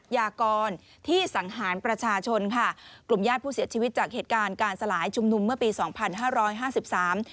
ยากรที่สังหารประชาชนค่ะกลุ่มญาติผู้เสียชีวิตจากเหตุการณ์การสลายชุมนุมเมื่อปีสองพันห้าร้อยห้าสิบสาม